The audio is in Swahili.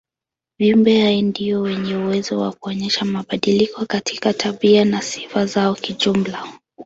Viumbe hai ndio wenye uwezo wa kuonyesha mabadiliko katika tabia na sifa zao kijumla.